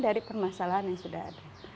dari permasalahan yang sudah ada